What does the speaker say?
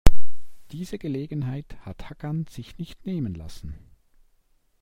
Diese Gelegenheit hat Hakan sich nicht nehmen lassen.